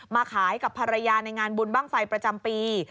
มาขายกับภรรยาในงานบุญบ้างไฟประจำปี